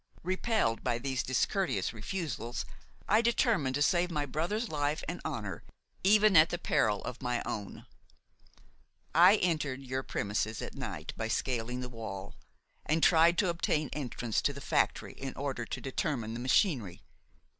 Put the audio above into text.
Repelled by these discourteous refusals, I determined to save my brother's life and honor even at the peril of my own; I entered your premises at night by scaling the wall, and tried to obtain entrance to the factory in order to determine the machinery.